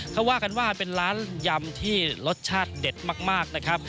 เขาว่ากันว่าเป็นร้านยำที่รสชาติเด็ดมากนะครับ